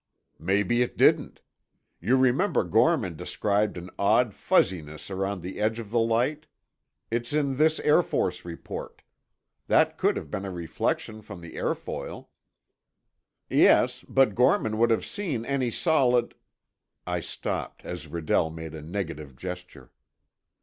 "Maybe it didn't. You remember Gorman described an odd fuzziness around the edge of the light? It's in this Air Force report. That could have been a reflection from the airfoil." "Yes, but Gorman would have seen any solid—" I stopped, as Redell made a negative gesture.